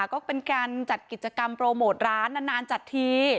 ก็เป็นการจัดกิจกรรมโปรโมทร้านนานจัดที